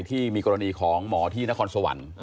ที่มีกรณีของหมอที่นครสวรรค์